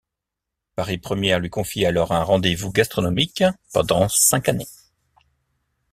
Paris Première lui confie alors un rendez vous gastronomique pendant cinq années.